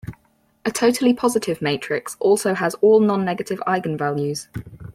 A totally positive matrix also has all nonnegative eigenvalues.